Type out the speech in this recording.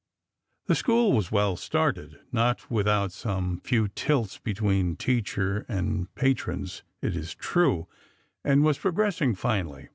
The school was well started— not without some few tilts between teacher and patrons, it is true — and was pro gressing finely.